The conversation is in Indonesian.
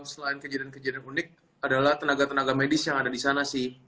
selain kejadian kejadian unik adalah tenaga tenaga medis yang ada di sana sih